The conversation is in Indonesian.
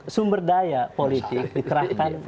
sumber daya politik dikerahkan